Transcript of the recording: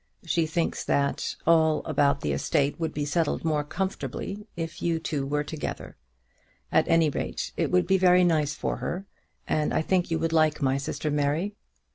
She thinks that all about the estate would be settled more comfortably if you two were together. At any rate, it would be very nice for her, and I think you would like my sister Mary.